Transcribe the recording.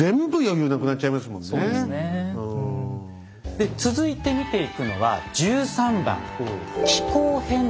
で続いて見ていくのは１３番「気候変動」です。